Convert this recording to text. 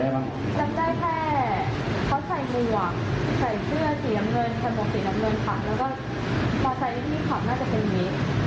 แล้วก็มาใส่้นี่ผักน่าจะเปิดอย่างนี้